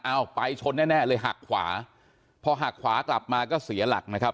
เอาไปชนแน่แน่เลยหักขวาพอหักขวากลับมาก็เสียหลักนะครับ